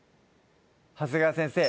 長谷川先生